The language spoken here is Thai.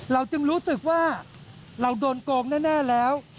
จึงรู้สึกว่าเราโดนโกงแน่แล้ว